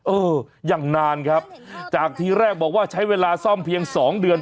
เออยังนานครับจากทีแรกบอกว่าใช้เวลาซ่อมเพียง๒เดือน